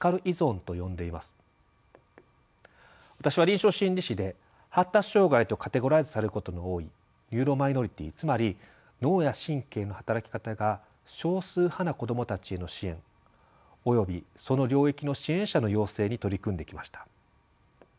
私は臨床心理士で発達障害とカテゴライズされることの多いニューロマイノリティつまり脳や神経の働き方が少数派な子どもたちへの支援およびその領域の支援者の養成に取り組んできました。